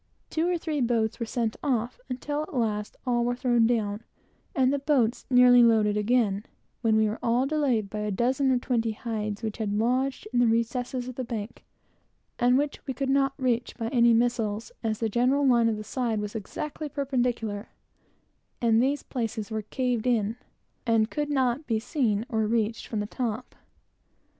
Two or three boat loads were sent off, until, at last, all were thrown down, and the boats nearly loaded again; when we were delayed by a dozen or twenty hides which had lodged in the recesses of the hill, and which we could not reach by any missiles, as the general line of the side was exactly perpendicular, and these places were caved in, and could not be seen or reached from the top.